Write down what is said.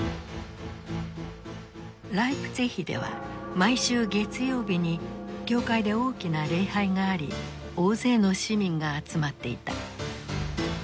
ライプツィヒでは毎週月曜日に教会で大きな礼拝があり大勢の市民が集まっていた。